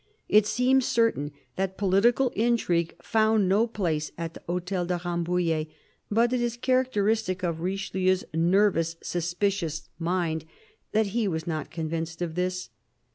It seems certain that political intrigue found no place at the Hotel de Ram bouillet ; but it is characteristic of Richelieu's nervous, sus picious mind that he was not convinced of this.